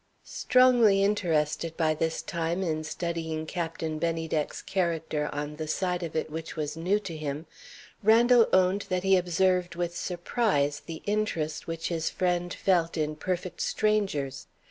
Strongly interested by this time, in studying Captain Bennydeck's character on the side of it which was new to him, Randal owned that he observed with surprise the interest which his friend felt in perfect strangers.